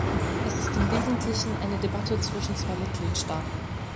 Es ist im wesentlichen eine Debatte zwischen zwei Mitgliedstaaten.